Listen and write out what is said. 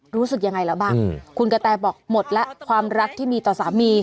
รู้สึกยังไงแล้วบ้างคุณกะแตบอกหมดแล้วความรักที่มีต่อสามี